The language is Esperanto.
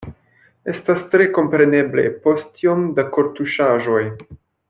Estas tre kompreneble, post tiom da kortuŝaĵoj.